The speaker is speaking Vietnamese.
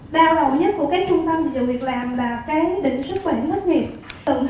đào đầu nhất của cái trung tâm vị trí việc làm là cái định sức bảo hiểm thất nghiệp